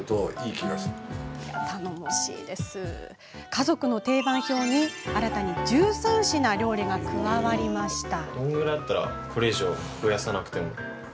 家族の定番表に新１３品の料理が加わりました。